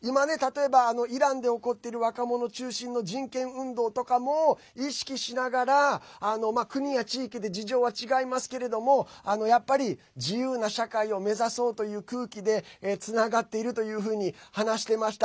今、イランで起こっている若者中心の人権運動とかも意識しながら国や地域で事情は違いますけれどやっぱり自由な社会を目指そうっていう空気でつながっていると話していました。